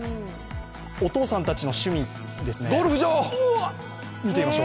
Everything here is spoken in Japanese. お父さんたちの趣味ですね。